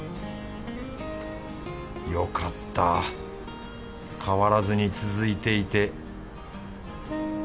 よかった変わらずに続いていて。